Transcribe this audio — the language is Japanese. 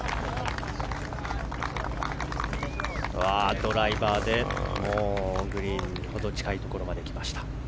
ドライバーでグリーンに程近いところまで来ました。